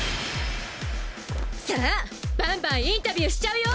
さぁバンバンインタビューしちゃうよ！